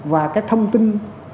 và cái thông tin